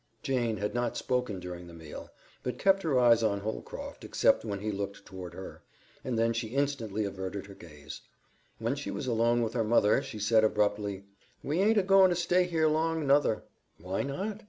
Jane had not spoken during the meal, but kept her eyes on Holcroft, except when he looked toward her, and then she instantly averted her gaze. When she was alone with her mother, she said abruptly, "We aint a goin' to stay here long, nuther." "Why not?"